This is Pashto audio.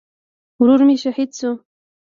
ورور مې شهید شو